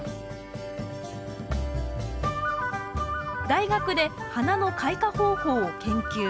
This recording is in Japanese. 大学で花の開花方法を研究。